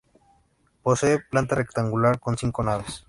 Posee planta rectangular con cinco naves.